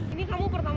ini janggut hitam